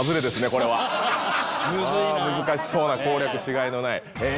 これは・ムズいな難しそうな攻略しがいのないえ